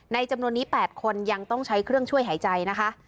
จำนวนนี้๘คนยังต้องใช้เครื่องช่วยหายใจนะคะ